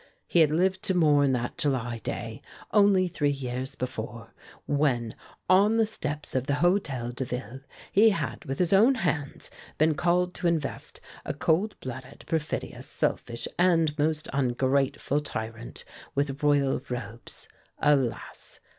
He had lived to mourn that July day, only three years before, when, on the steps of the Hôtel de Ville, he had, with his own hands, been called to invest a cold blooded, perfidious, selfish, and most ungrateful tyrant with Royal robes. Alas!